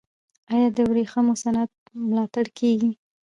آیا د ورېښمو صنعت ملاتړ کیږي؟